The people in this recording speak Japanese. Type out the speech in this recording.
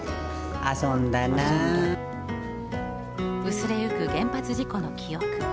薄れゆく原発事故の記憶。